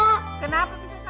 yang melihat alex menangis